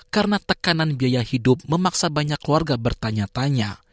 karena tekanan biaya hidup memaksa banyak keluarga bertanya tanya